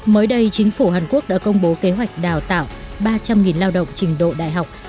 mới đây chính phủ hàn quốc đã công bố kế hoạch đào tạo ba trăm linh lao động trình độ đại học